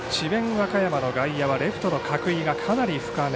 和歌山の外野はレフトの角井がかなり深め。